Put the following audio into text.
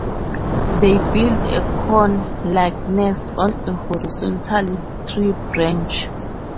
They build a cone-like nest on a horizontal tree branch.